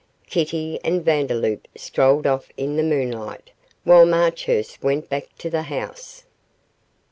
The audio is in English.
Kitty and Vandeloup strolled off in the moonlight, while Marchurst went back to the house.